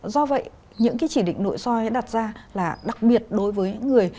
do vậy những chỉ định nội soi đặt ra là đặc biệt đối với những người